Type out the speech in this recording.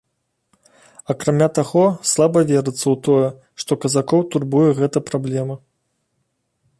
Акрамя таго, слаба верыцца ў тое, што казакоў турбуе гэта праблема.